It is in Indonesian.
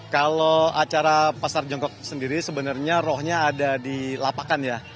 kalau acara pasar jongkok sendiri sebenarnya rohnya ada di lapangan ya